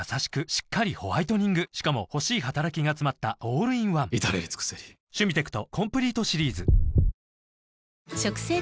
しっかりホワイトニングしかも欲しい働きがつまったオールインワン至れり尽せり「ポリデント」